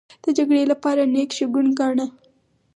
د جګړې لپاره نېک شګون گاڼه.